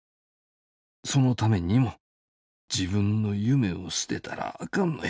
そのためにも自分の夢を捨てたらあかんのや。